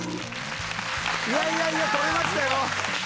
いやいやいや撮れましたよ！